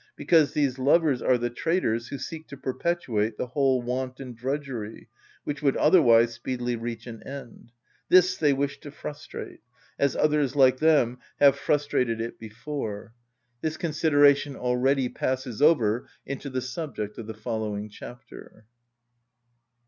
Because these lovers are the traitors who seek to perpetuate the whole want and drudgery, which would otherwise speedily reach an end; this they wish to frustrate, as others like them have frustrated it before. This consideration already passes over into the subject of the following chapter.